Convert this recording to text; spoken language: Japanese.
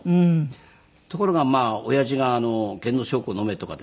ところがまあ親父がゲンノショウコ飲めとかですね